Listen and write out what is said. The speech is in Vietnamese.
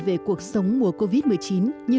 về cuộc sống mùa covid một mươi chín như